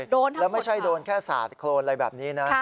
โดนทั้งหมดค่ะค่ะแล้วไม่ใช่โดนแค่สาดโครนอะไรแบบนี้นะ